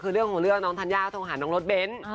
คือเรื่องของเรื่องน้องธัญญาโทรหาน้องรถเบ้น